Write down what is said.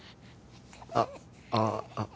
あっああ